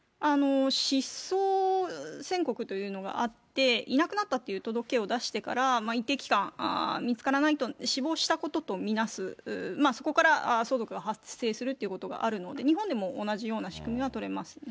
失踪宣告というのがあって、いなくなったという届けを出してから、一定期間見つからないと、死亡したことと見なす、そこから相続が発生するということがあるので、日本でも同じような仕組みは取れますね。